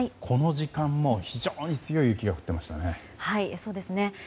この時間も非常に強い雪が降っていましたね。